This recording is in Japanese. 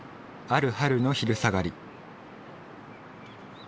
ある春の昼下がり